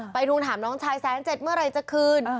ทวงถามน้องชายแสนเจ็ดเมื่อไหร่จะคืน